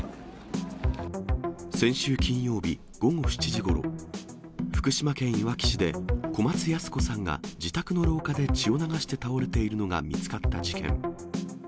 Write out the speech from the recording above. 先週金曜日午後７時ごろ、福島県いわき市で、小松ヤス子さんが自宅の廊下で血を流して倒れているのが見つかった事件。